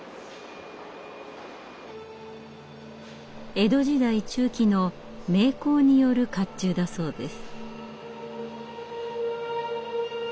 江戸時代中期の名工による甲冑だそうです。